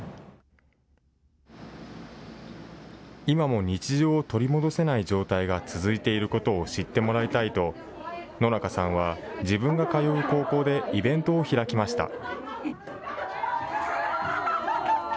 今も日常を取り戻せない状態が続いていることを知ってもらいたいと野中さんは自分が通う高校でイベントを開きました。